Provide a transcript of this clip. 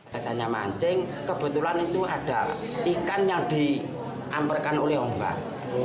pesannya mancing kebetulan itu ada ikan yang diamparkan oleh orang